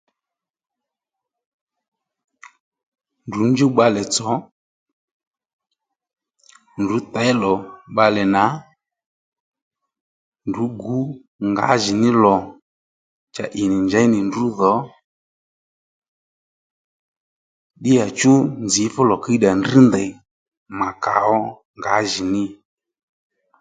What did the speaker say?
Ndrǔ njúw bbalè tsò ndrú tey lò bbalè nà ndrú gǔ ngǎjìní lò cha ì nì njěy nì ndrǔdho ddiyachú nzǐ fú lò kíyddà ndrŕ ndèy mà kà ó ngǎjìní